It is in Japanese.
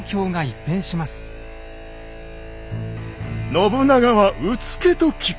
信長はうつけと聞く。